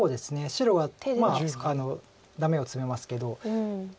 白はダメをツメますけど。